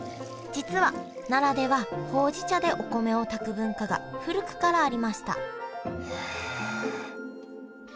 実は奈良ではほうじ茶でお米を炊く文化が古くからありましたへえ。